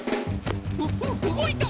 うううごいた！